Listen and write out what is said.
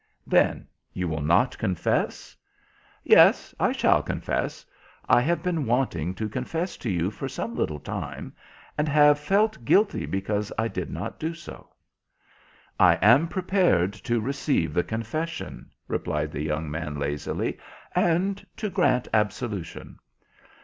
"Then you will not confess?" "Yes, I shall confess. I have been wanting to confess to you for some little time, and have felt guilty because I did not do so." "I am prepared to receive the confession," replied the young man, lazily, "and to grant absolution."